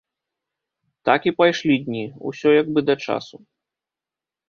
Так і пайшлі дні, усё як бы да часу.